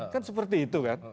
kan seperti itu kan